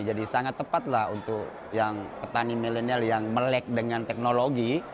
jadi sangat tepatlah untuk yang petani milenial yang melek dengan teknologi